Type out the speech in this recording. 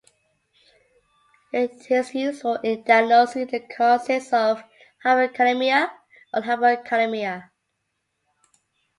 It is useful in diagnosing the causes of hyperkalemia or hypokalemia.